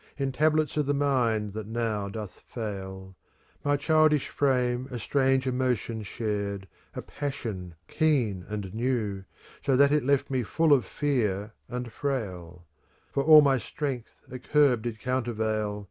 In tablets of the mind that now doth fail, — My childish frame a strange emotion shared, *" A passion keen and new, So that it left me full of fear and frail : For all my strength a curb did countervail.